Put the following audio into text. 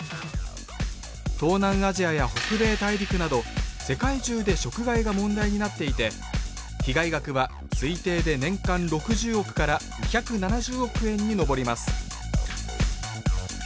東南アジアや北米大陸など世界中で食害が問題になっていて被害額は推定で年間６０億から２７０億円に上ります